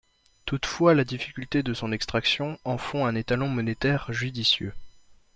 Toutefois la difficulté de son extraction, en font un étalon monétaire judicieux.